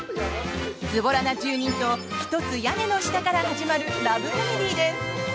ズボラな住人と一つ屋根の下から始まるラブコメディーです。